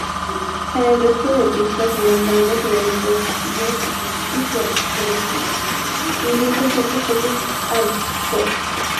En el resto de pistas encontramos elementos death y progresivos, incluso ciertos toques hardcore.